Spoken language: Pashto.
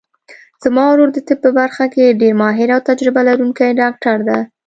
زما ورور د طب په برخه کې ډېر ماهر او تجربه لرونکی ډاکټر ده